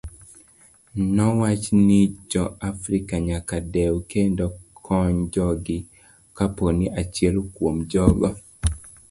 Nowach ni jo africa nyaka dew kendo kony jogi kaponi achiel kuom jogo.